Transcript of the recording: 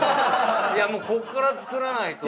いやこっから作らないと。